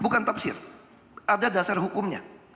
bukan tafsir ada dasar hukumnya